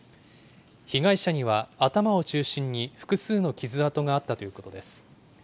被害者には頭を中心に複数の傷痕があったということです。